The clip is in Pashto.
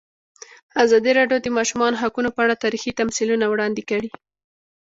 ازادي راډیو د د ماشومانو حقونه په اړه تاریخي تمثیلونه وړاندې کړي.